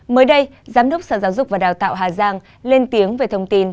mới đây giám đốc sở giáo dục và đào tạo hà giang lên tiếng về thông tin